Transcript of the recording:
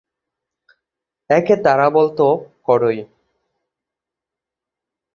একে তারা বলত ‘করই’।